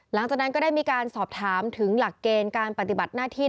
หลังจากนั้นก็ได้มีการสอบถามถึงหลักเกณฑ์การปฏิบัติหน้าที่